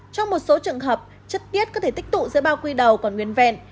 trong một số trường hợp chất tiết có thể tích tụ giữa bao quy đầu còn nguyên vẹn